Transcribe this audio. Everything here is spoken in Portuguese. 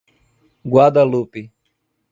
Guadalupe